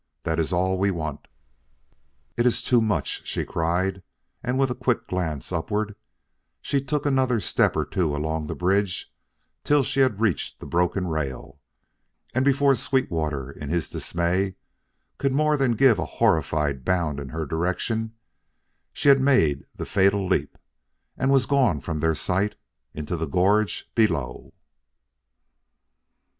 That is all we want " "It is too much!" she cried. And with a quick glance upward she took another step or two along the bridge till she had reached the broken rail; and before Sweetwater in his dismay could more than give a horrified bound in her direction, she had made the fatal leap and was gone from their sight into the gorge below.